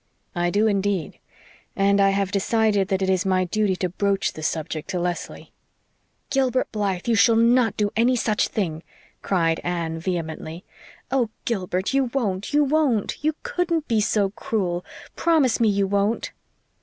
"I do, indeed. And I have decided that it is my duty to broach the subject to Leslie." "Gilbert Blythe, you shall NOT do any such thing," cried Anne vehemently. "Oh, Gilbert, you won't you won't. You couldn't be so cruel. Promise me you won't."